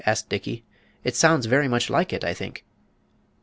asked Dickey. "It sounds very much like it, I think."